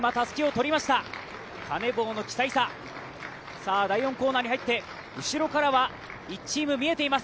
キサイサ、第４コーナーに入って、後ろからは１チーム見えています。